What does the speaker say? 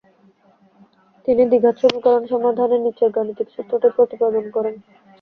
তিনি দ্বিঘাত সমীকরণ সমাধানে নিচের গাণিতিক সূত্রটি প্রতিপাদন করেনঃ